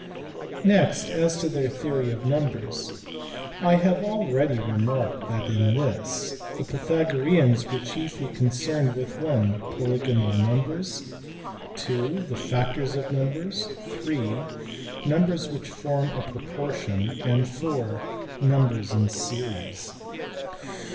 Next, as to their theory of numbers*. I have already re marked that in this the Pythagoreans were chiefly concerned >vith (i) polygonal numbers, (ii) the factors of numbers, iii) numbers which form a proportion, and (iv) numbers in > series.